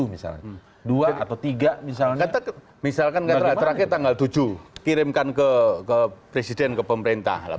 misalnya dua atau tiga misalnya terakhir tanggal tujuh kirimkan ke presiden ke pemerintah